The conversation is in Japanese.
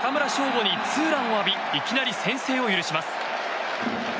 吾にツーランを浴びいきなり先制を許します。